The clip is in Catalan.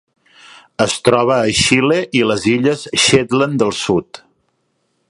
Es troba a Xile i les illes Shetland del Sud.